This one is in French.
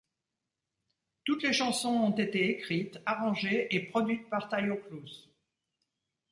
Toutes les chansons ont été écrites, arrangées et produites par Taio Cruz.